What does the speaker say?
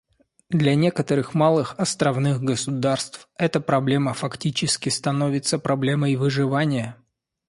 Для некоторых малых островных государств эта проблема, фактически, становится проблемой выживания.